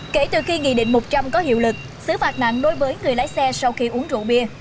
kể từ khi nghị định một trăm linh có hiệu lực xứ phạt nặng đối với người lái xe sau khi uống rượu bia